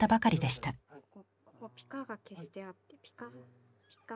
ここ「ピカ」が消してあって「ピカピカ」。